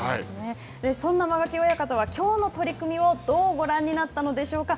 そんな間垣親方はきょうの取組をどうご覧になったのでしょうか。